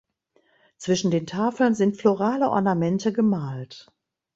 Zwischen den Tafeln sind florale Ornamente gemalt.